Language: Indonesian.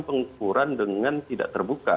pengukuran dengan tidak terbuka